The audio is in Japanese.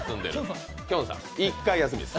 １回休みです